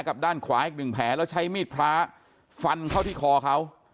กับด้านขวา๑แผลแล้วใช้มีดพระฟันเข้าที่คอเขา